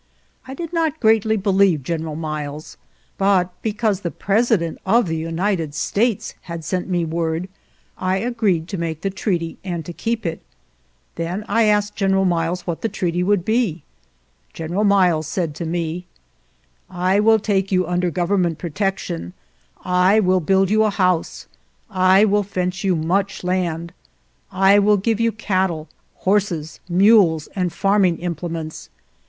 I did not greatly believe General Miles, but be cause the President of the United States had sent me word I agreed to make the treaty, and to keep it. Then I asked Gen eral Miles what the treaty would be. Gen eral Miles said to me : 6 "I will take you under Government protection; I will build you a house; I will fence you much land; I will give you cattle, horses, mules, and farming implements.